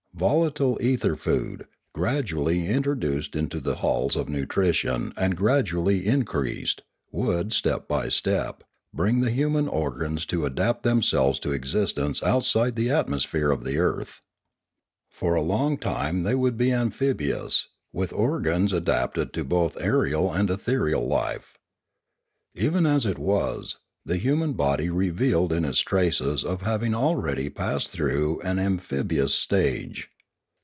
Volatile ether food, gradually introduced into the halls of nutrition and gradually increased, would, step by step, bring the human organs to adapt themselves to existence outside of the atmosphere of the earth. For a long time they would be amphibious, with organs adapted to both 464 Limanora aerial and ethereal life. Even as it was, the human body revealed in it traces of having already passed through an amphibious stage.